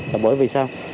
là bởi vì sao